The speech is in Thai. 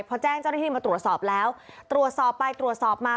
พอแจ้งเจ้าหน้าที่มาตรวจสอบแล้วตรวจสอบไปตรวจสอบมา